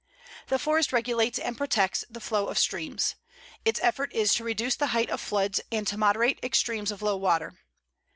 The forest regulates and protects the flow of streams. Its effect is to reduce the height of floods and to moderate extremes of low water.